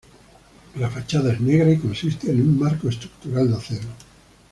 La fachada es negra, y consiste en un marco estructural de acero.